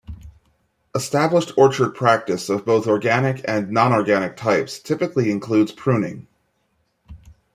Established orchard practice of both organic and nonorganic types typically includes pruning.